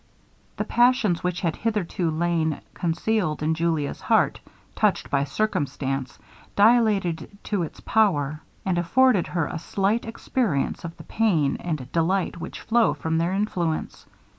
The passions which had hitherto lain concealed in Julia's heart, touched by circumstance, dilated to its power, and afforded her a slight experience of the pain and delight which flow from their influence.